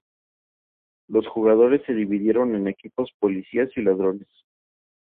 Los jugadores se dividen en equipos, policías y ladrones.